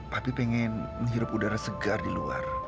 tapi pengen menghirup udara segar di luar